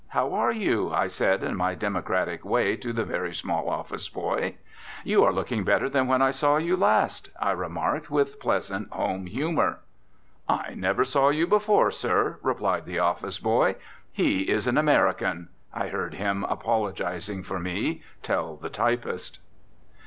"How are you?" I said in my democratic way to the very small office boy. "You are looking better than when I saw you last," I remarked with pleasant home humour. "I never saw you before, sir," replied the office boy. "He is an American," I heard him, apologising for me, tell the typist.